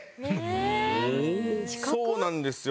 そうなんですよ。